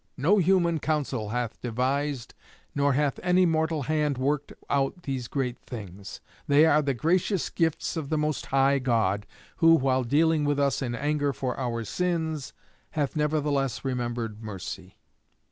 No human counsel hath devised nor hath any mortal hand worked out these great things. They are the gracious gifts of the Most High God, who, while dealing with us in anger for our sins, hath nevertheless remembered mercy.